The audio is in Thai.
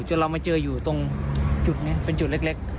เรามาเจออยู่ตรงจุดนี้เป็นจุดเล็ก